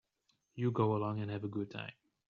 You go along and have a good time.